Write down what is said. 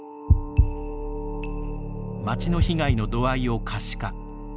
町の被害の度合いを可視化。